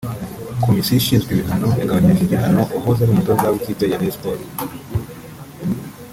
Komisiyo ishinzwe ibihano yagabanyirije igihano uwahoze ari umutoza w’ikipe ya Rayon Sports